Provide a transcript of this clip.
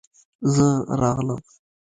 زه راغلم.